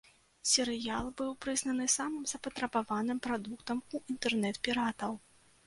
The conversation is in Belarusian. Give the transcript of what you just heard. Серыял быў прызнаны самым запатрабаваным прадуктам у інтэрнэт-піратаў.